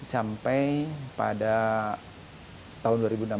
sampai pada tahun dua ribu dua puluh